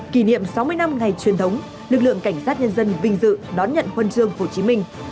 kỷ niệm sáu mươi năm ngày truyền thống lực lượng cảnh sát nhân dân vinh dự đón nhận huân chương hồ chí minh